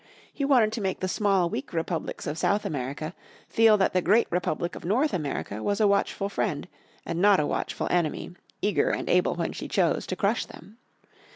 He wanted to make the small weak republics of South America feel that the great republic of North America was a watchful friend, and not a watchful enemy, eager, and able when she chose, to crush them.